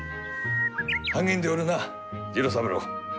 励んでおるな次郎三郎。